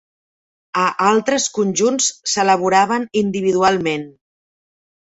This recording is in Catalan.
A altres conjunts s'elaboraven individualment.